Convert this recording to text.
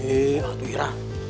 eh aduh ira